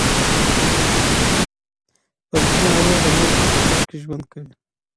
فلجي ناروغ د نورو په چوپړ کې ژوند کوي.